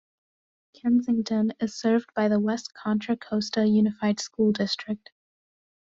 Kensington is served by the West Contra Costa Unified School District.